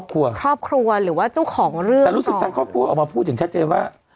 ครอบครัวหรือว่าเจ้าของเรื่องต่อแต่รู้สึกต่างครอบครัวออกมาพูดอย่างชัดเจนว่า